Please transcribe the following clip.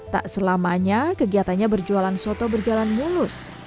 tak selamanya kegiatannya berjualan soto berjalan mulus